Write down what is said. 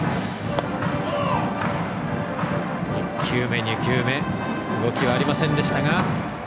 １球目、２球目動きはありませんでしたが。